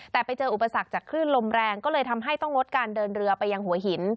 แต่ไปเจออุปสรรคจากคลื่นลมแรงก็เลยทำให้ต้องลดการเดินเรือไปยังหัวหิน